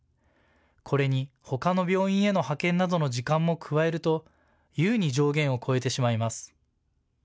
これにほかの病院への派遣などの時間も加えると優に上限を超えてしまいます。